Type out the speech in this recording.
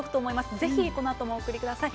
ぜひ、このあともお送りください。